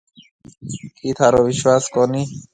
ڪِي ٿارو وشواس ڪونَي۔